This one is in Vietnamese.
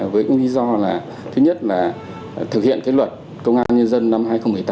với lý do là thứ nhất là thực hiện luật công an nhân dân năm hai nghìn một mươi tám